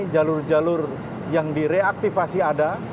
jalur jalur yang direaktivasi ada